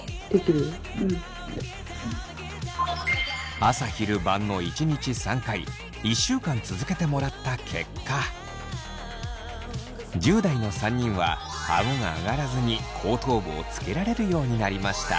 朝昼晩の１日３回１週間続けてもらった結果１０代の３人はあごが上がらずに後頭部をつけられるようになりました。